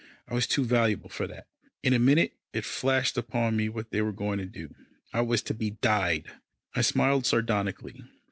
I was too valuable for that. In a minute, it flashed upon me what they were going to do. I was to be dyed. I smiled sardonically.